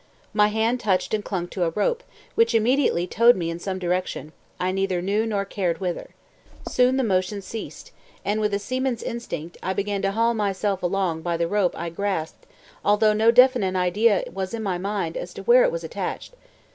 My hand touched and clung to a rope, which immediately towed me in some direction I neither knew nor cared whither. Soon the motion ceased, and, with a seaman's instinct, I began to haul myself along by the rope I grasped, although no definite idea was in my mind as to where it was attached.